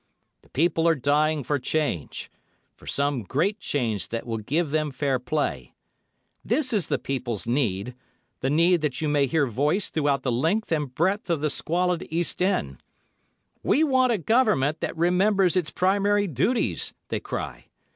The people are dying for change—for some great change that will give them fair play. This is the people's need—the need that you may hear voiced throughout the length and breadth of the squalid East End. "We want a Government that remembers its primary duties," they cry.